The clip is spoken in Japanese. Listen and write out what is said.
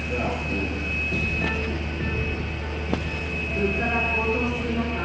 物価が高騰する中